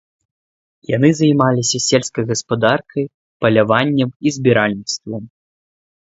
Яны займаліся сельскай гаспадаркай, паляваннем і збіральніцтвам.